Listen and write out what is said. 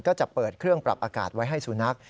ก็จะเปิดเครื่องปรับอากาศไว้ให้สุนัข